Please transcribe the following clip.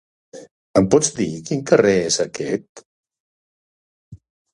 Em pots dir quin carrer es aquest?